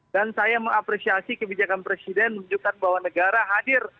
dan saya mengapresiasi kebijakan presiden menunjukkan bahwa negara hadir